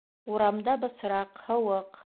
Урамда бысраҡ, һыуыҡ.